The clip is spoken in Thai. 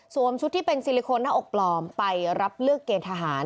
ชุดที่เป็นซิลิโคนหน้าอกปลอมไปรับเลือกเกณฑหาร